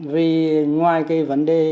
vì ngoài cái vấn đề vứt rạc đó